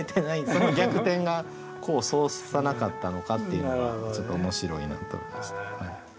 その逆転が功を奏さなかったのかっていうのがちょっと面白いなと思いました。